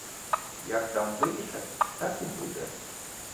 Як там вирішать, так і буде.